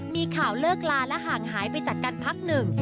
มีข่าวเลิกลาและห่างหายไปจากกันพักหนึ่ง